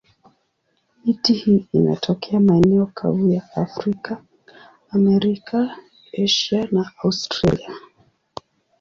Miti hii inatokea maeneo kavu ya Afrika, Amerika, Asia na Australia.